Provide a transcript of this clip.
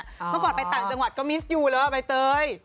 เมื่อก่อนไปต่างจังหวัดก็มิสยูแล้วใบเตย